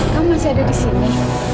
kamu masih ada disini